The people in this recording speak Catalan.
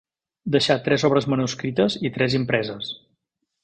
Deixà tres obres manuscrites i tres impreses.